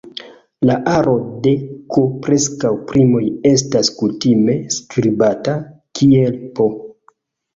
La aro de "k"-preskaŭ primoj estas kutime skribata kiel "P".